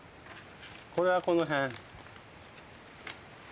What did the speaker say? これはこの辺。